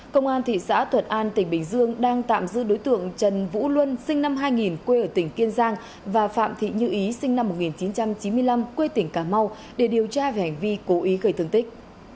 công an thị xã thuận an tỉnh bình dương đang tạm giữ đối tượng trần vũ luân sinh năm hai nghìn quê ở tỉnh kiên giang và phạm thị như ý sinh năm một nghìn chín trăm chín mươi năm quê tỉnh cà mau để điều tra về hành vi cố ý gây thương tích